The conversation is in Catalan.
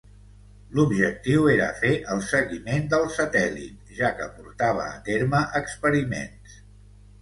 L'objectiu era fer el seguiment del satèl·lit, ja que portava a terme experiments.